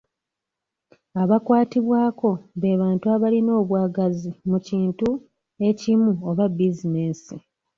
Abakwatibwako be bantu abalina obwagazi mu kintu ekimu oba bizinensi.